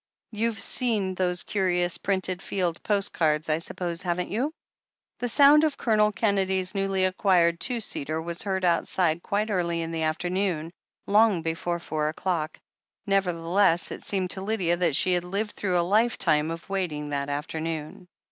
You've seen those curious, printed field postcards, I suppose, haven't you?" The sound of Colonel Kennedy's newly acquired two seater was heard outside quite early in the after noon — ^long before four o'clock ; nevertheless it seemed to Lydia that she had lived through a life^time of wait ing that afternoon.